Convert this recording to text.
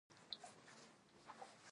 ارجنټاینان فکر نه کوي چې پېرون بدل شوی دی.